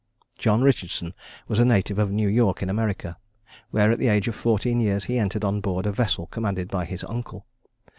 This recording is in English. John Richardson was a native of New York in America, where, at the age of fourteen years, he entered on board a vessel commanded by his uncle.